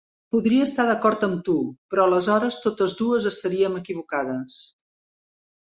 Podria estar d'acord amb tu, però aleshores totes dues estaríem equivocades.